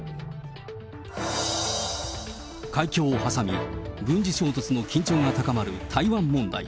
海峡を挟み、軍事衝突の緊張が高まる台湾問題。